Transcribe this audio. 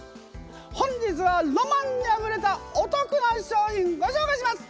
本日はロマンにあふれたおとくな商品ご紹介します！